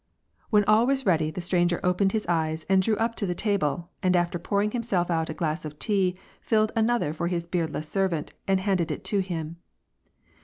When all was ready, the stranger opened his eyes, drew up to the table, and after pouring himself out a glass of tea, HUed another for his beardless servant, and handed it to him.